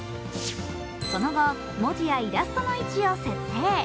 その後、文字やイラストの位置を設定。